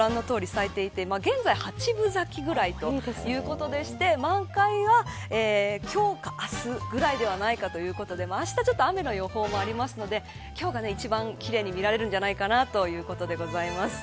ご覧のとおり咲いていて、現在八分咲きぐらいということでして満開は今日か明日ぐらいではないかということであしたは雨の予報もありますので今日は一番奇麗に見られるのではないかということでございます。